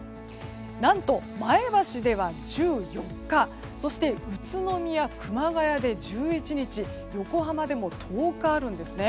何と前橋では１４日宇都宮、熊谷で１１日横浜でも１０日あるんですね。